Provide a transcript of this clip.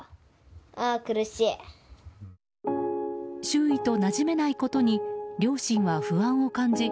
周囲となじめないことに両親は不安を感じ